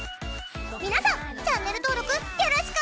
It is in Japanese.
皆さんチャンネル登録よろしくお願いします！